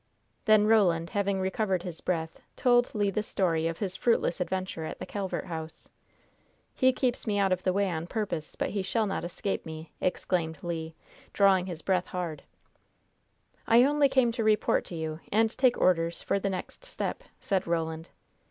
Then Roland, having recovered his breath, told Le the story of his fruitless adventure at the Calvert House. "He keeps out of the way on purpose; but he shall not escape me!" exclaimed Le, drawing his breath hard. "I only came to report to you and take orders for the next step," said Roland.